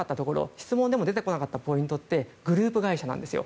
質問でも出てこなかったポイントってグループ会社です。